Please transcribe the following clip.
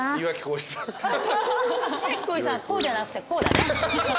こうじゃなくてこうだね。